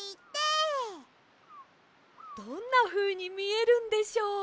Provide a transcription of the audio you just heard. どんなふうにみえるんでしょう？